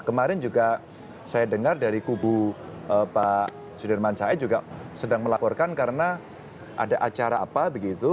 kemarin juga saya dengar dari kubu pak sudirman said juga sedang melaporkan karena ada acara apa begitu